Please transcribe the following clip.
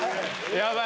やばい。